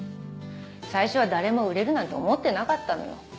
最初は誰も売れるなんて思ってなかったのよ。